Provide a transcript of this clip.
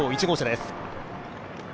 １号車です。